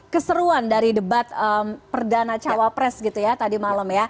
keseruan dari debat perdana cawapres gitu ya tadi malam ya